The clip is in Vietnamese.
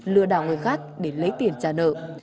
lừa đảo người khác để lấy tiền trả nợ